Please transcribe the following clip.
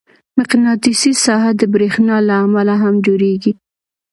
مقناطیسي ساحه د برېښنا له امله هم جوړېږي.